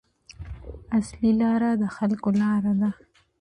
اصلي لاره د خلکو لاره ده.